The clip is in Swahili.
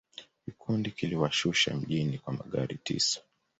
Kikundi kiliwashusha mjini kwa magari tisa.